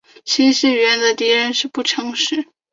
清晰语言的敌人是不诚实。